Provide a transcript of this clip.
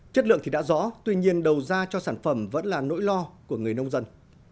chất lượng thì đã rõ tuy nhiên đầu ra cho sản phẩm vẫn là nỗi lo của người nông dân